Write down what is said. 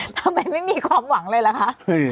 ทำไมไม่มีความหวังเลยล่ะคะ